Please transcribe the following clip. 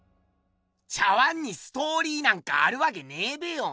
茶碗にストーリーなんかあるわけねえべよ。